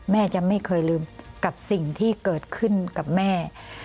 แม่จะไม่เคยลืมกับสิ่งที่เกิดขึ้นกับแม่